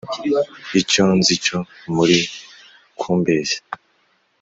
Icyo nzi cyo muri kumbeshya